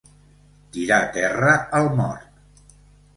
Tirar terra al mort.